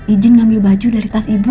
ijin ngambil baju dari tas ibu